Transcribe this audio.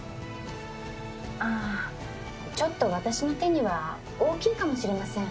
あぁちょっと私の手には大きいかもしれません。